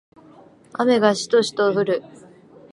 雨がしとしと降る